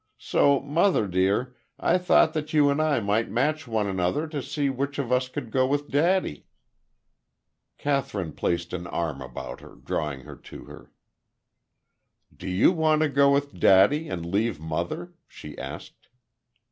So, mother dear, I thought that you and I might match one another to see which of us could go with daddy." Kathryn placed an arm about her, drawing her to her. "Do you want to go with daddy and leave mother?" she asked.